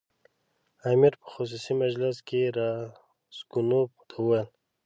امیر په خصوصي مجلس کې راسګونوف ته وویل.